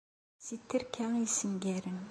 Si tterka yessengaren.